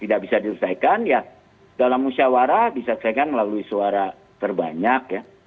tidak bisa diselesaikan ya dalam musyawarah diselesaikan melalui suara terbanyak ya